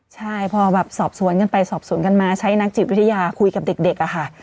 ใช่พอแบบสอบสวนกันไปสอบสวนกันมาใช้นักจิตวิทยาคุยกับเด็กอะค่ะ